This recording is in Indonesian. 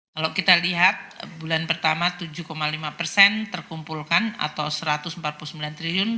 kalau kita lihat bulan pertama tujuh lima persen terkumpulkan atau satu ratus empat puluh sembilan triliun